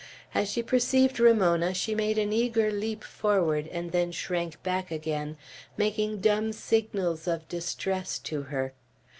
As she perceived Ramona, she made an eager leap forward, and then shrank back again, making dumb signals of distress to her.